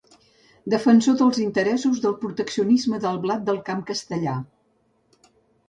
Defensor dels interessos del proteccionisme del blat del camp castellà.